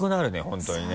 本当にね。